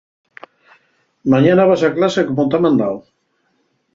Mañana vas a clas como ta mandao.